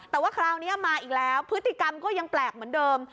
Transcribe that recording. แต่ว่าคราวนี้มาอีกแล้วพฤติกรรมก็ยังแปลกเหมือนเดิม